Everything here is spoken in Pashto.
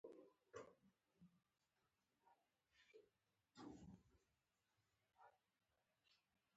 خیرات کول د افغانانو عادت دی.